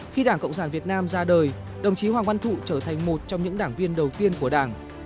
khi đảng cộng sản việt nam ra đời đồng chí hoàng văn thụ trở thành một trong những đảng viên đầu tiên của đảng